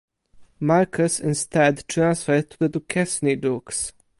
Marcus instead transferred to the Duquesne Dukes.